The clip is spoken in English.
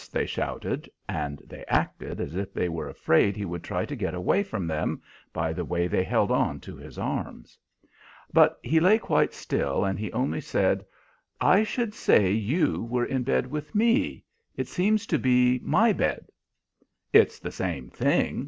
they shouted; and they acted as if they were afraid he would try to get away from them by the way they held on to his arms. But he lay quite still, and he only said, "I should say you were in bed with me. It seems to be my bed." "It's the same thing!"